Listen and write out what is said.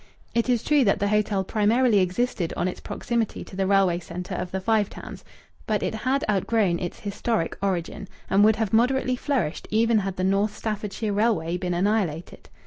It is true that the hotel primarily existed on its proximity to the railway centre of the Five Towns. But it had outgrown its historic origin, and would have moderately flourished even had the North Staffordshire railway been annihilated.